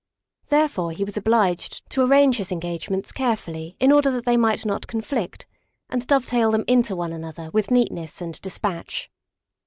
Therefore he was obliged to arrange his engagements carefully in order that they might not conflict, and dovetail them into one another with neatness and dispatch.